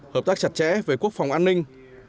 hợp tác chặt chẽ với quốc phòng an ninh